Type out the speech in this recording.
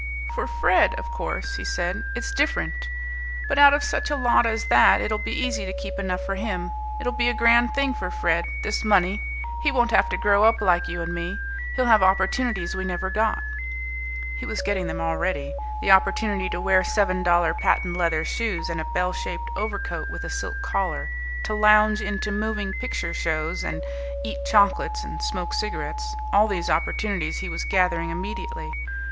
"For Fred, of course," he said, "it's different. But out of such a lot as that it'll be easy to keep enough for him. It'll be a grand thing for Fred, this money. He won't have to grow up like you and me. He'll have opportunities we never got." He was getting them already. The opportunity to wear seven dollar patent leather shoes and a bell shaped overcoat with a silk collar, to lounge into moving picture shows and eat chocolates and smoke cigarettes all these opportunities he was gathering immediately.